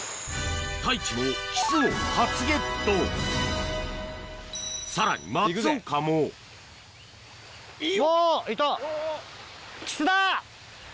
太一もキスを初ゲットさらに松岡もあっいた。